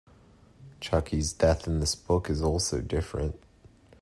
Chucky's death in this book is also different.